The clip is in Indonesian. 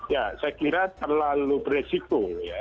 ya saya kira terlalu beresiko ya